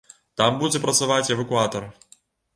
Там будзе працаваць эвакуатар.